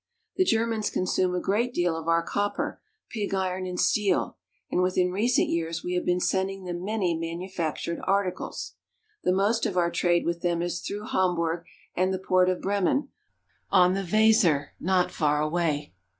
The Germans consume a great deal of our copper, pig iron, and steel, and within recent years we have been sending them many manufactured articles. The most of our trade with them is through Hamburg and the port of Bremen on the Weser not far away.